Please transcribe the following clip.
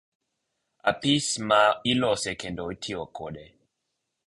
Apis ma ilose kendo itiyo kode.